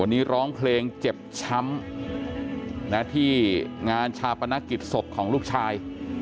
วันนี้ร้องเพลงเจ็บช้ำที่งานชาปนกิจศพของลูกชาย